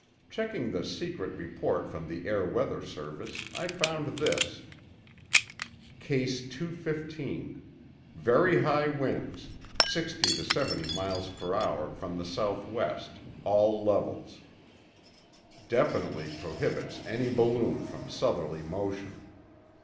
Checking the secret report from the Air Weather Service, I found this: "Case 2 15. Very high winds, 60 70 miles per hour from southwest, all levels. Definitely prohibits any balloon from southerly motion."